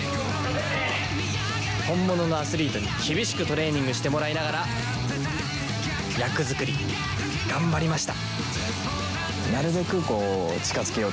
本物のアスリートに厳しくトレーニングしてもらいながら役作り頑張りました。